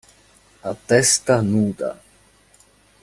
A testa nuda.